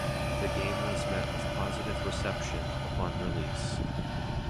The game was met with positive reception upon release.